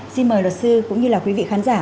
xin mời luật sư cũng như là quý vị khán giả